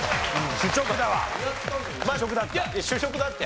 主食だって。